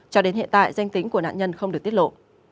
cho đến hiện tại danh tính của nạn nhân không được tiết lộ